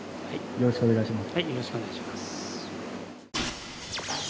よろしくお願いします。